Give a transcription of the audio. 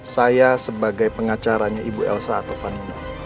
saya sebagai pengacaranya ibu elsa atau pani